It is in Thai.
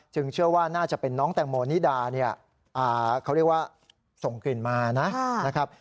เชื่อว่าน่าจะเป็นน้องแตงโมนิดาเนี่ยเขาเรียกว่าส่งกลิ่นมานะครับ